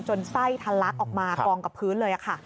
จนไส้ทัลลักออกมากองกับพื้นเลย